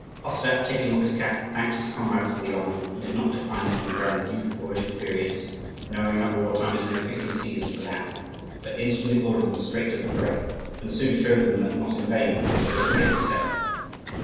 Ostap, taking off his cap, thanked his comrades for the honour, and did not decline it on the ground of youth or inexperience, knowing that war time is no fitting season for that; but instantly ordered them straight to the fray, and soon showed them that not in vain had they chosen him as hetman.